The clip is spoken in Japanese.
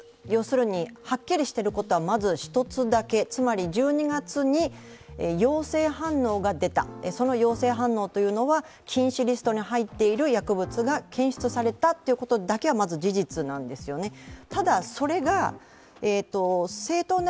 要するにはっきりしていることは１つだけ、つまり１２月に陽性反応が出た、その陽性反応というのは禁止リストに入っている薬物が検出されたということだけは、まず事実なんですよね。